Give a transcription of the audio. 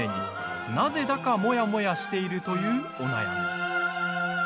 なぜだかモヤモヤしているというお悩み。